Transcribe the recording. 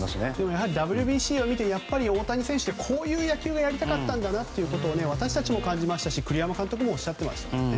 やはりＷＢＣを見て大谷選手ってこういう野球がやりたかったんだなということを私たちも感じましたし栗山監督もおっしゃっていましたね。